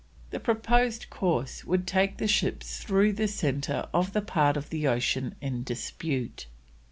The proposed course would take the ships through the centre of the part of the ocean in dispute.